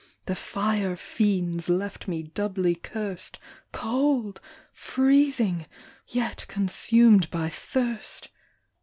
The fire fiends left me doubly curst. Cold ! freezing ! yet consumed by thirst.